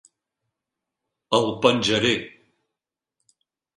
El penjaré.